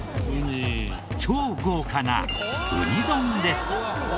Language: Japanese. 超豪華なウニ丼です。